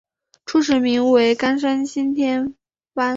初时名为冈山新田藩。